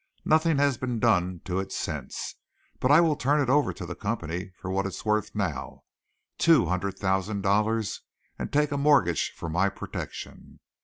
Nothing has been done to it since, but I will turn it over to the company for what it is worth now two hundred thousand dollars and take a mortgage for my protection.